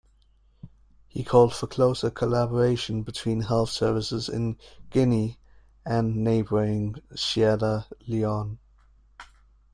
He called for closer collaboration between health services in Guinea and neighbouring Sierra Leone.